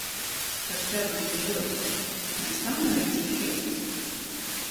Starp tevi un mīļoto nestāv neviens vīrietis?